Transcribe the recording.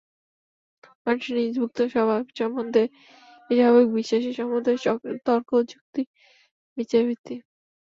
মানুষের নিজ মুক্ত স্বভাব সম্বন্ধে এই স্বাভাবিক বিশ্বাসই সমুদয় তর্ক যুক্তি বিচারের ভিত্তি।